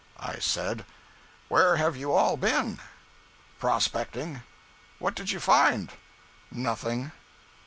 I said: "Where have you all been?" "Prospecting." "What did you find?" "Nothing."